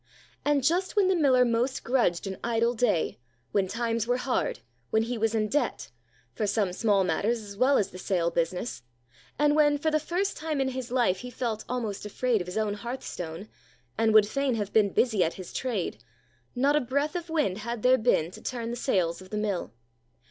And, just when the miller most grudged an idle day, when times were hard, when he was in debt,—for some small matters, as well as the sail business,—and when, for the first time in his life, he felt almost afraid of his own hearthstone, and would fain have been busy at his trade, not a breath of wind had there been to turn the sails of the mill.